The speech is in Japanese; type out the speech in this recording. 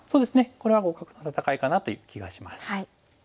これは互角の戦いかなという気がします。